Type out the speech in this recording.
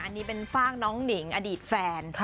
อันนี้เป็นฝากน้องหนิงอดีตแฟน